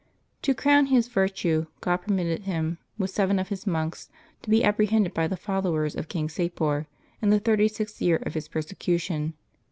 To crown his virtue, God permitted him, with seven of his monks, to be apprehended by the followers of King Sapor, in the thirty sixth year of his persecution.